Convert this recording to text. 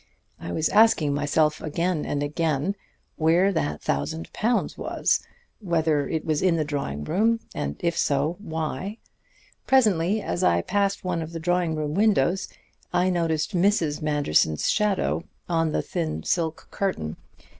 I was asking myself again and again where that thousand pounds was; whether it was in the drawing room; and if so, why. Presently, as I passed one of the drawing room windows, I noticed Mrs. Manderson's shadow on the thin silk curtain.